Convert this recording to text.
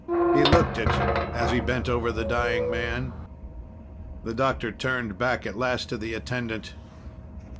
He looked it as he bent over the dying man. The doctor turned back at last to the attendant.